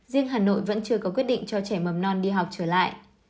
riêng hà nội vẫn chưa có quyết định cho trẻ mầm non đi học trở lại